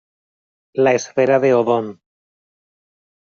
La Esfera de Odón.